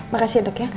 makasih ya dok ya